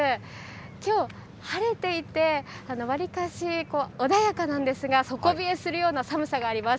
きょう晴れていて、わりかし穏やかなんですが、底冷えするような寒さがあります。